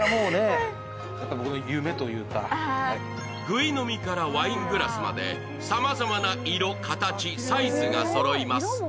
ぐい飲みからワイングラスまでさまざまな色、形、サイズがそろいます。